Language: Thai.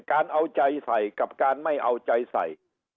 เอาใจใส่กับการไม่เอาใจใส่